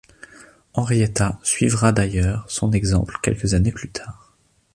Henrietta suivra d'ailleurs son exemple quelques années plus tard.